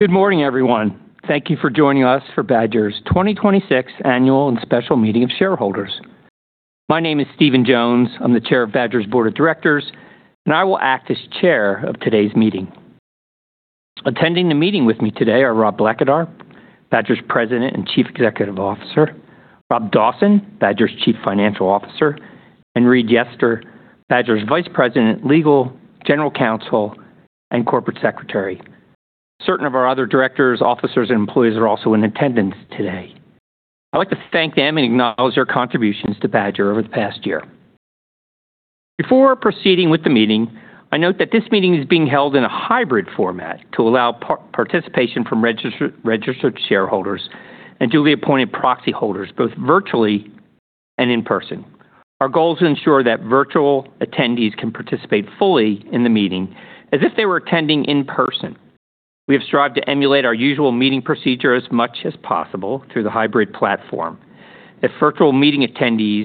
Good morning, everyone. Thank you for joining us for Badger's 2026 Annual and Special Meeting of Shareholders. My name is Steven Jones. I'm the Chair of Badger's Board of Directors, and I will act as chair of today's meeting. Attending the meeting with me today are Robert Blackadar, Badger's President and Chief Executive Officer, Rob Dawson, Badger's Chief Financial Officer, and Reid Yester, Badger's Vice President, Legal, General Counsel, and Corporate Secretary. Certain of our other directors, officers, and employees are also in attendance today. I'd like to thank them and acknowledge their contributions to Badger over the past year. Before proceeding with the meeting, I note that this meeting is being held in a hybrid format to allow participation from registered shareholders and duly appointed proxy holders, both virtually and in person. Our goal is to ensure that virtual attendees can participate fully in the meeting as if they were attending in person. We have strived to emulate our usual meeting procedure as much as possible through the hybrid platform. If virtual meeting attendees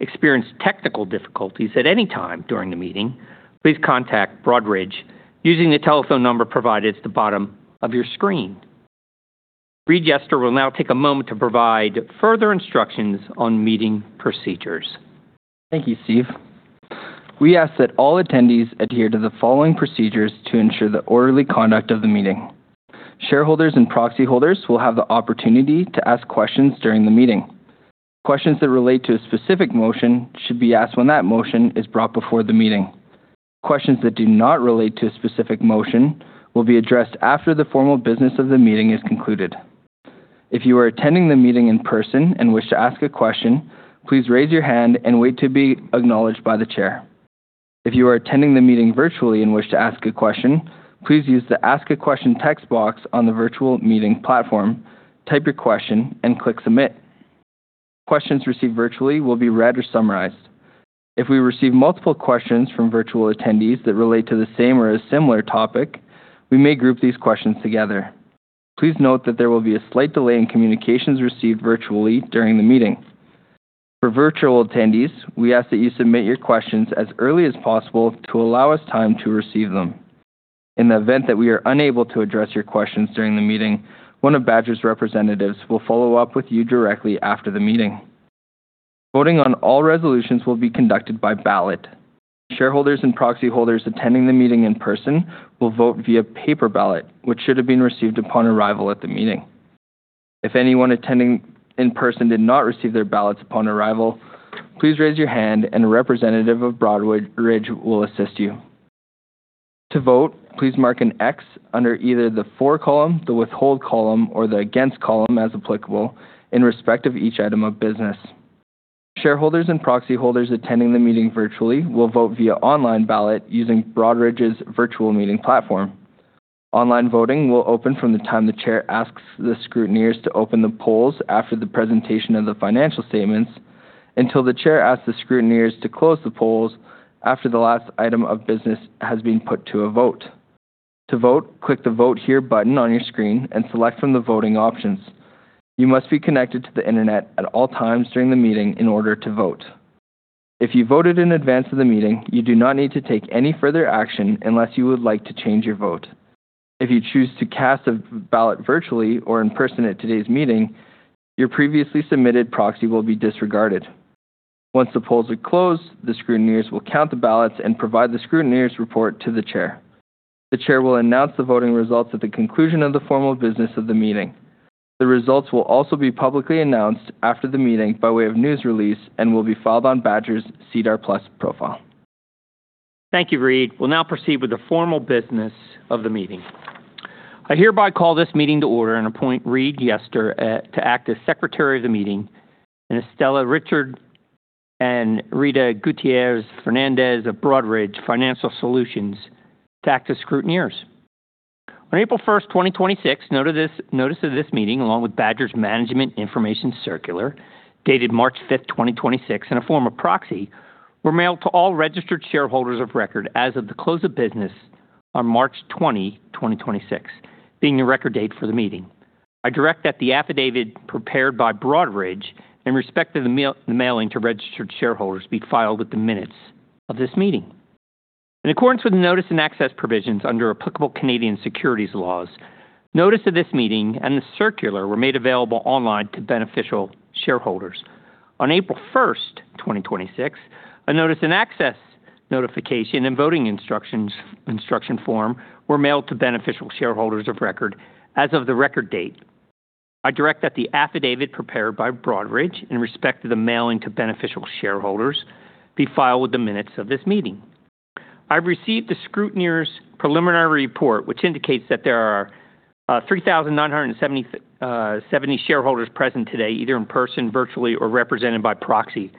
experience technical difficulties at any time during the meeting, please contact Broadridge using the telephone number provided at the bottom of your screen. Reid Yester will now take a moment to provide further instructions on meeting procedures. Thank you, Steve. We ask that all attendees adhere to the following procedures to ensure the orderly conduct of the meeting. Shareholders and proxy holders will have the opportunity to ask questions during the meeting. Questions that relate to a specific motion should be asked when that motion is brought before the meeting. Questions that do not relate to a specific motion will be addressed after the formal business of the meeting is concluded. If you are attending the meeting in person and wish to ask a question, please raise your hand and wait to be acknowledged by the Chair. If you are attending the meeting virtually and wish to ask a question, please use the Ask a Question text box on the virtual meeting platform, type your question, and click Submit. Questions received virtually will be read or summarized. If we receive multiple questions from virtual attendees that relate to the same or a similar topic, we may group these questions together. Please note that there will be a slight delay in communications received virtually during the meeting. For virtual attendees, we ask that you submit your questions as early as possible to allow us time to receive them. In the event that we are unable to address your questions during the meeting, one of Badger's representatives will follow up with you directly after the meeting. Voting on all resolutions will be conducted by ballot. Shareholders and proxy holders attending the meeting in person will vote via paper ballot, which should have been received upon arrival at the meeting. If anyone attending in person did not receive their ballots upon arrival, please raise your hand and a representative of Broadridge will assist you. To vote, please mark an X under either the For column, the Withhold column, or the Against column, as applicable, in respect of each item of business. Shareholders and proxy holders attending the meeting virtually will vote via online ballot using Broadridge's virtual meeting platform. Online voting will open from the time the chair asks the scrutineers to open the polls after the presentation of the financial statements until the chair asks the scrutineers to close the polls after the last item of business has been put to a vote. To vote, click the Vote Here button on your screen and select from the voting options. You must be connected to the internet at all times during the meeting in order to vote. If you voted in advance of the meeting, you do not need to take any further action unless you would like to change your vote. If you choose to cast a v-ballot virtually or in person at today's meeting, your previously submitted proxy will be disregarded. Once the polls are closed, the scrutineers will count the ballots and provide the scrutineers' report to the chair. The chair will announce the voting results at the conclusion of the formal business of the meeting. The results will also be publicly announced after the meeting by way of news release and will be filed on Badger's SEDAR+ profile. Thank you, Reid. We'll now proceed with the formal business of the meeting. I hereby call this meeting to order and appoint Reid Yester to act as secretary of the meeting and Esthela Richard and Rita Gutierrez-Fernandez of Broadridge Financial Solutions to act as scrutineers. On April 1st, 2026, notice of this meeting, along with Badger's Management Information Circular, dated March 5th, 2026, and a form of proxy were mailed to all registered shareholders of record as of the close of business on March 20, 2026, being the record date for the meeting. I direct that the affidavit prepared by Broadridge in respect to the mailing to registered shareholders be filed with the minutes of this meeting. In accordance with the notice and access provisions under applicable Canadian securities laws, notice of this meeting and the circular were made available online to beneficial shareholders. On April 1st, 2026, a notice and access notification and voting instructions form were mailed to beneficial shareholders of record as of the record date. I direct that the affidavit prepared by Broadridge in respect to the mailing to beneficial shareholders be filed with the minutes of this meeting. I've received the scrutineers' preliminary report, which indicates that there are 3,970 shareholders present today, either in person, virtually, or represented by proxy,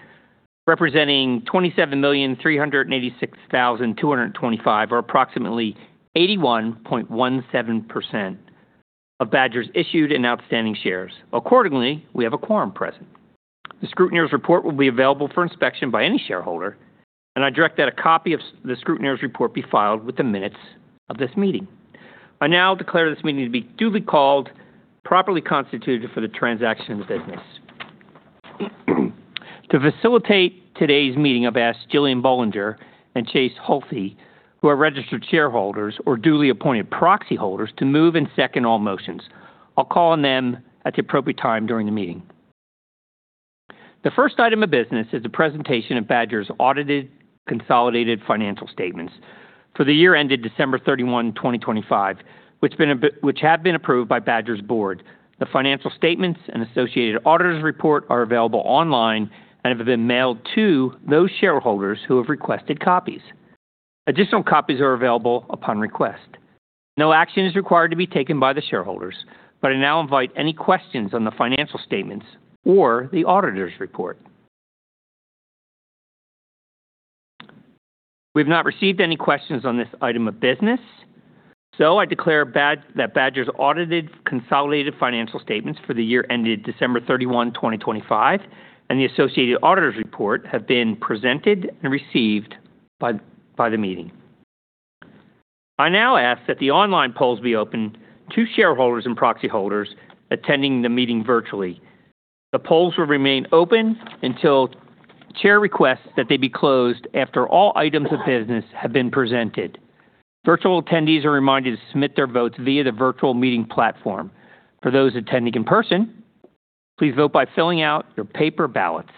representing 27,386,225 or approximately 81.17% of Badger's issued and outstanding shares. We have a quorum present. The scrutineers' report will be available for inspection by any shareholder, and I direct that a copy of the scrutineers' report be filed with the minutes of this meeting. I now declare this meeting to be duly called, properly constituted for the transaction of business. To facilitate today's meeting, I've asked Jillian Bollinger and Chase Holthe, who are registered shareholders or duly appointed proxy holders, to move and second all motions. I'll call on them at the appropriate time during the meeting. The first item of business is the presentation of Badger's audited consolidated financial statements for the year ended December 31, 2025, which have been approved by Badger's board. The financial statements and associated auditor's report are available online and have been mailed to those shareholders who have requested copies. Additional copies are available upon request. No action is required to be taken by the shareholders. I now invite any questions on the financial statements or the auditor's report. We've not received any questions on this item of business. I declare that Badger's audited consolidated financial statements for the year ended December 31, 2025 and the associated auditors report have been presented and received by the meeting. I now ask that the online polls be open to shareholders and proxy holders attending the meeting virtually. The polls will remain open until Chair requests that they be closed after all items of business have been presented. Virtual attendees are reminded to submit their votes via the virtual meeting platform. For those attending in person, please vote by filling out your paper ballots.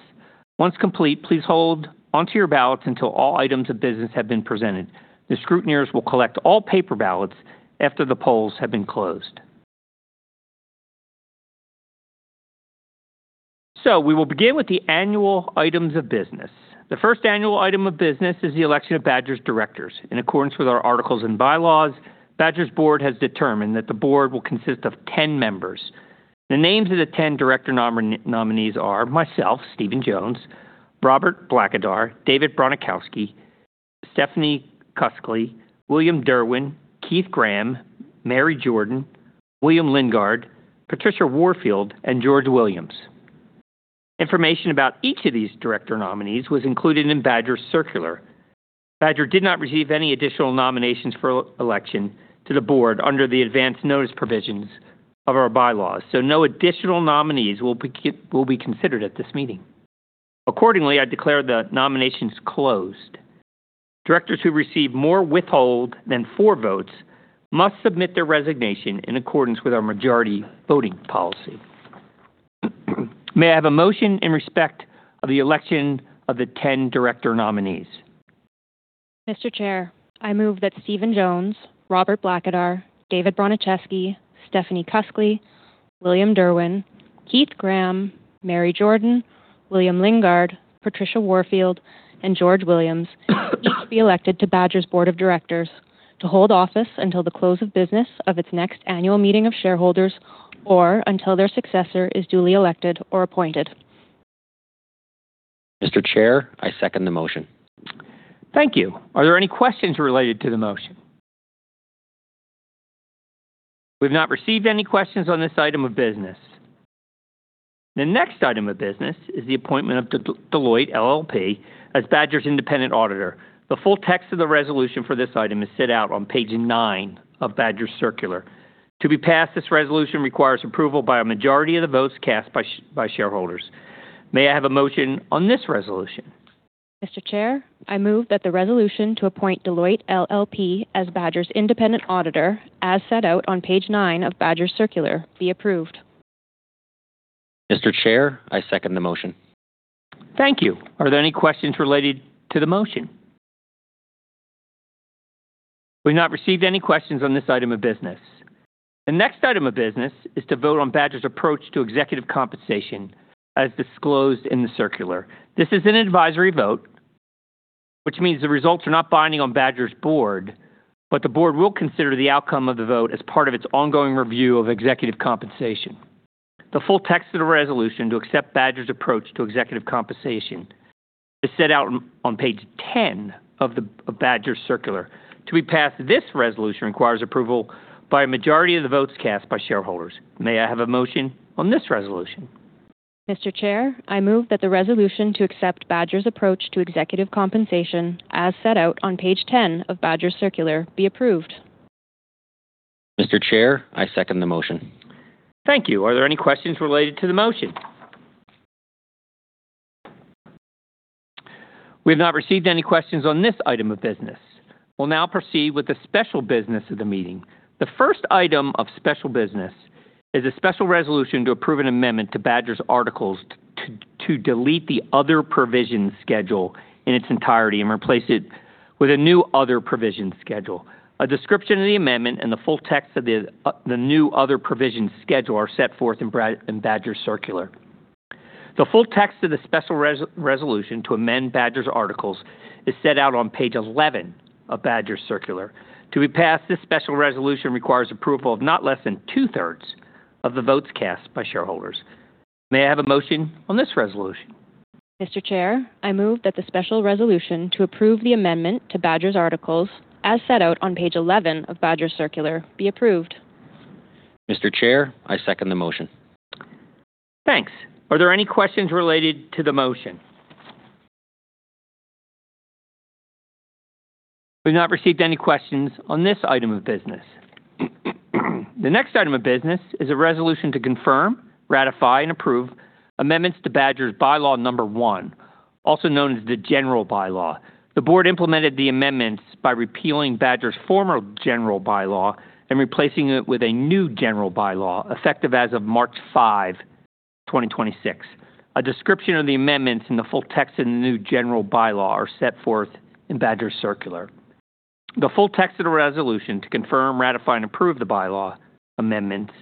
Once complete, please hold onto your ballots until all items of business have been presented. The scrutineers will collect all paper ballots after the polls have been closed. We will begin with the annual items of business. The first annual item of business is the election of Badger's directors. In accordance with our articles and bylaws, Badger's board has determined that the board will consist of 10 members. The names of the 10 director nominees are myself, Steven Jones, Robert Blackadar, David Bronicheski, Stephanie Cuskley, William Derwin, Keith Graham, Mary Jordan, William Lingard, Patricia Warfield, and George Williams. Information about each of these director nominees was included in Badger's circular. Badger did not receive any additional nominations for election to the board under the advance notice provisions of our bylaws, no additional nominees will be considered at this meeting. Accordingly, I declare the nominations closed. Directors who receive more withhold than four votes must submit their resignation in accordance with our majority voting policy. May I have a motion in respect of the election of the 10 director nominees? Mr. Chair, I move that Steven Jones, Robert Blackadar, David Bronicheski, Stephanie Cuskley, William Derwin, Keith Graham, Mary Jordan, William Lingard, Patricia Warfield, and George Williams be elected to Badger's board of directors to hold office until the close of business of its next annual meeting of shareholders, or until their successor is duly elected or appointed. Mr. Chair, I second the motion. Thank you. Are there any questions related to the motion? We've not received any questions on this item of business. The next item of business is the appointment of Deloitte LLP as Badger's independent auditor. The full text of the resolution for this item is set out on page nine of Badger's circular. To be passed, this resolution requires approval by a majority of the votes cast by shareholders. May I have a motion on this resolution? Mr. Chair, I move that the resolution to appoint Deloitte LLP as Badger's independent auditor, as set out on page nine of Badger's circular, be approved. Mr. Chair, I second the motion. Thank you. Are there any questions related to the motion? We've not received any questions on this item of business. The next item of business is to vote on Badger's approach to executive compensation as disclosed in the circular. This is an advisory vote, which means the results are not binding on Badger's board, but the board will consider the outcome of the vote as part of its ongoing review of executive compensation. The full text of the resolution to accept Badger's approach to executive compensation is set out on page 10 of Badger's circular. To be passed, this resolution requires approval by a majority of the votes cast by shareholders. May I have a motion on this resolution? Mr. Chair, I move that the resolution to accept Badger's approach to executive compensation, as set out on page 10 of Badger's circular, be approved. Mr. Chair, I second the motion. Thank you. Are there any questions related to the motion? We've not received any questions on this item of business. We'll now proceed with the special business of the meeting. The first item of special business is a special resolution to approve an amendment to Badger's articles to delete the other provision schedule in its entirety and replace it with a new other provision schedule. A description of the amendment and the full text of the new other provision schedule are set forth in Badger's circular. The full text of the special resolution to amend Badger's articles is set out on page 11 of Badger's circular. To be passed, this special resolution requires approval of not less than 2/3 of the votes cast by shareholders. May I have a motion on this resolution? Mr. Chair, I move that the special resolution to approve the amendment to Badger's articles, as set out on page 11 of Badger's circular, be approved. Mr. Chair, I second the motion. Thanks. Are there any questions related to the motion? We've not received any questions on this item of business. The next item of business is a resolution to confirm, ratify, and approve amendments to Badger's By-law number one, also known as the general bylaw. The board implemented the amendments by repealing Badger's former general bylaw and replacing it with a new general bylaw effective as of March 5, 2026. A description of the amendments in the full text of the new general bylaw are set forth in Badger's circular. The full text of the resolution to confirm, ratify, and approve the bylaw amendments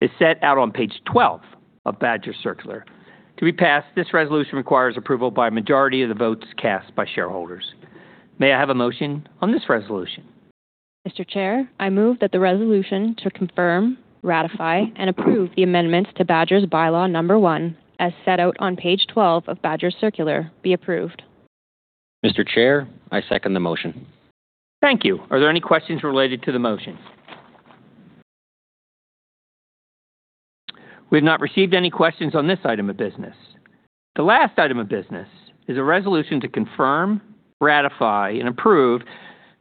is set out on page 12 of Badger's circular. To be passed, this resolution requires approval by a majority of the votes cast by shareholders. May I have a motion on this resolution? Mr. Chair, I move that the resolution to confirm, ratify, and approve the amendments to Badger's bylaw number one, as set out on page 12 of Badger's circular be approved. Mr. Chair, I second the motion Thank you. Are there any questions related to the motion? We've not received any questions on this item of business. The last item of business is a resolution to confirm, ratify, and approve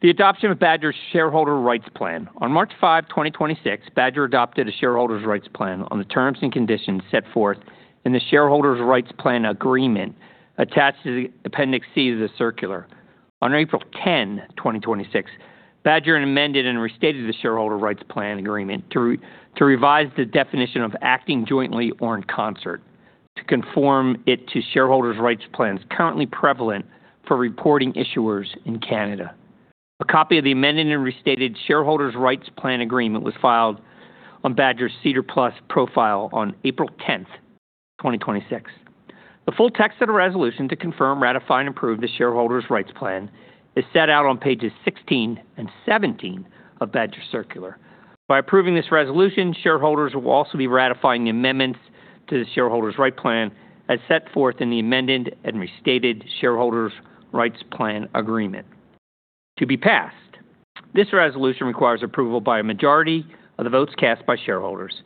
the adoption of Badger's shareholder rights plan. On March 5, 2026, Badger adopted a shareholder rights plan on the terms and conditions set forth in the shareholder rights plan agreement attached to the appendix C of the circular. On April 10, 2026, Badger amended and restated the shareholder rights plan agreement to revise the definition of acting jointly or in concert to conform it to shareholder rights plans currently prevalent for reporting issuers in Canada. A copy of the amended and restated shareholder rights plan agreement was filed on Badger's SEDAR+ profile on April 10, 2026. The full text of the resolution to confirm, ratify, and approve the shareholders' rights plan is set out on pages 16 and 17 of Badger's circular. By approving this resolution, shareholders will also be ratifying the amendments to the shareholders' right plan as set forth in the amended and restated shareholders' rights plan agreement. To be passed, this resolution requires approval by a majority of the votes cast by shareholders.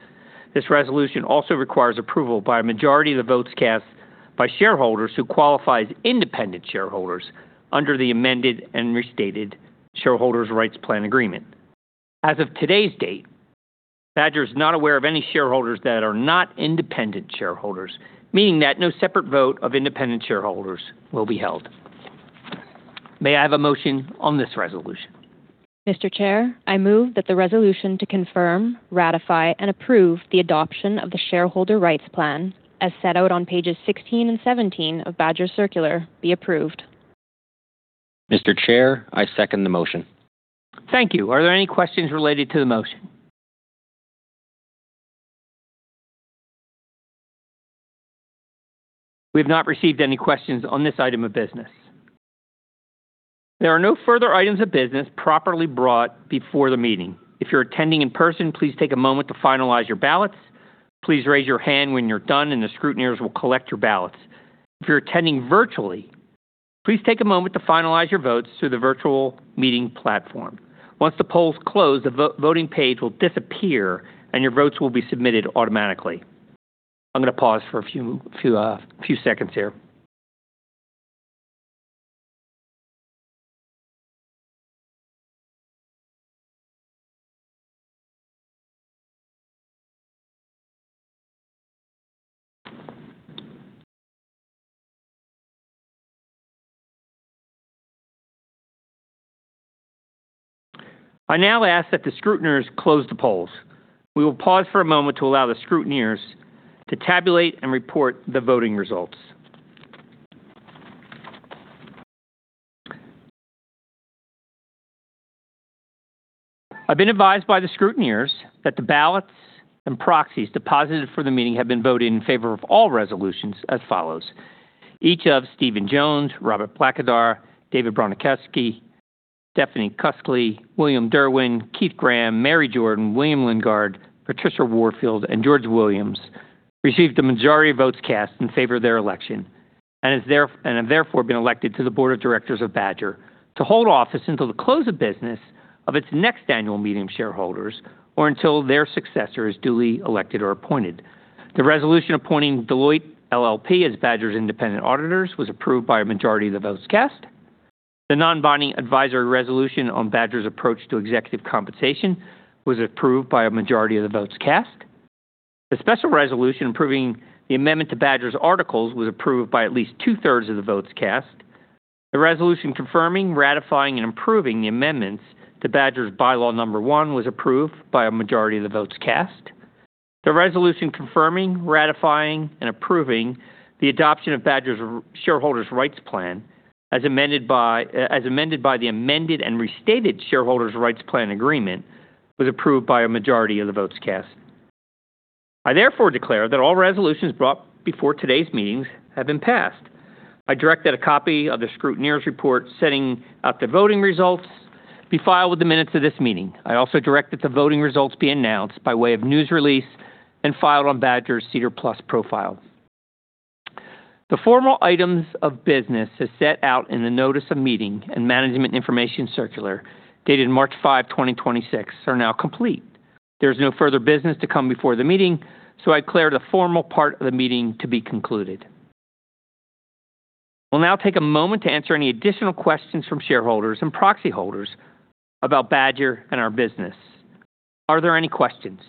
This resolution also requires approval by a majority of the votes cast by shareholders who qualify as independent shareholders under the amended and restated shareholders' rights plan agreement. As of today's date, Badger is not aware of any shareholders that are not independent shareholders, meaning that no separate vote of independent shareholders will be held. May I have a motion on this resolution? Mr. Chair, I move that the resolution to confirm, ratify, and approve the adoption of the shareholder rights plan, as set out on pages 16 and 17 of Badger's circular, be approved. Mr. Chair, I second the motion. Thank you. Are there any questions related to the motion? We've not received any questions on this item of business. There are no further items of business properly brought before the meeting. If you're attending in person, please take a moment to finalize your ballots. Please raise your hand when you're done, and the scrutineers will collect your ballots. If you're attending virtually, please take a moment to finalize your votes through the virtual meeting platform. Once the polls close, the voting page will disappear, and your votes will be submitted automatically. I'm gonna pause for a few seconds here. I now ask that the scrutineers close the polls. We will pause for a moment to allow the scrutineers to tabulate and report the voting results. I've been advised by the scrutineers that the ballots and proxies deposited for the meeting have been voted in favor of all resolutions as follows: Each of Steven Jones, Robert Blackadar, David Bronicheski, Stephanie Cuskley, William Derwin, Keith Graham, Mary Jordan, William Lingard, Patricia Warfield, and George Williams received the majority of votes cast in favor of their election and have therefore been elected to the board of directors of Badger to hold office until the close of business of its next annual meeting of shareholders or until their successor is duly elected or appointed. The resolution appointing Deloitte LLP as Badger's independent auditors was approved by a majority of the votes cast. The non-binding advisory resolution on Badger's approach to executive compensation was approved by a majority of the votes cast. The special resolution approving the amendment to Badger's articles was approved by at least 2/3 of the votes cast. The resolution confirming, ratifying, and approving the amendments to Badger's bylaw number one was approved by a majority of the votes cast. The resolution confirming, ratifying, and approving the adoption of Badger's shareholders' rights plan, as amended by the amended and restated shareholders' rights plan agreement, was approved by a majority of the votes cast. I therefore declare that all resolutions brought before today's meetings have been passed. I direct that a copy of the scrutineers' report setting out the voting results be filed with the minutes of this meeting. I also direct that the voting results be announced by way of news release and filed on Badger's SEDAR+ profile. The formal items of business as set out in the notice of meeting and management information circular dated March 5, 2026 are now complete. There's no further business to come before the meeting, I declare the formal part of the meeting to be concluded. We'll now take a moment to answer any additional questions from shareholders and proxy holders about Badger and our business. Are there any questions?